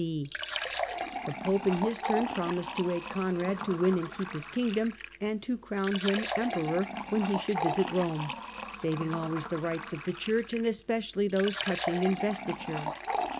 hwagh ^®®^® P^P^ ^^^^*^^"^ promised to aid JndTBur ^ Oonrad to win and keep his kingdom, and 8^^^ to crown him emperor when he should visit Rome ; saving always the rights of the Church, and especially those touching investiture.